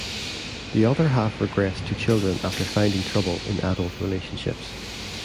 The other half regressed to children after finding trouble in adult relationships.